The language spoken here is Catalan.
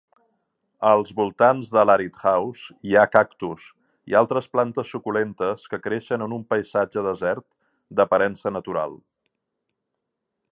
Als voltants de l'Arid House hi ha cactus i altres plantes suculentes que creixen en un paisatge desert d'aparença natural.